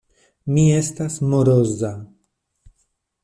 Mi estas moroza.